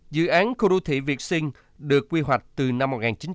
dự án khu đô thị việt sinh được quy hoạch từ năm một nghìn chín trăm chín mươi bảy